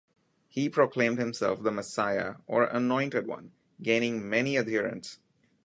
He proclaimed himself the Messiah or "anointed one," gaining many adherents.